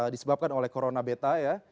disebabkan oleh corona beta ya